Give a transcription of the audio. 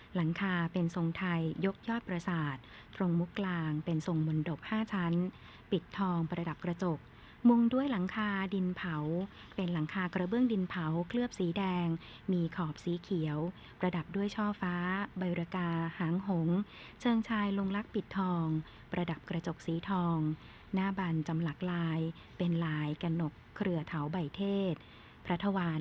หลังคาเป็นทรงไทยยกยอดประสาทตรงมุกกลางเป็นทรงมนตบ๕ชั้นปิดทองประดับกระจกมุงด้วยหลังคาดินเผาเป็นหลังคากระเบื้องดินเผาเคลือบสีแดงมีขอบสีเขียวประดับด้วยช่อฟ้าใบรกาหางหงเชิงชายลงลักษณ์ปิดทองประดับกระจกสีทองหน้าบันจำหลักลายเป็นลายกระหนกเครือเถาใบเทศพระทวาร